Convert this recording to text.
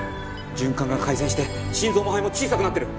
循環が改善して心臓も肺も小さくなってる。